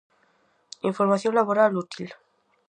Información laboral útil.